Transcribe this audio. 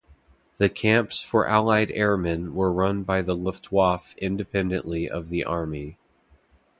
The camps for Allied airmen were run by the Luftwaffe independently of the Army.